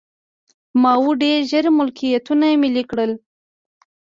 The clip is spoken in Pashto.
ماوو ډېر ژر ملکیتونه ملي کړل.